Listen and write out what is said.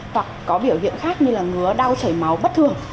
hoặc có biểu hiện khác như là ngứa đau chảy máu bất thường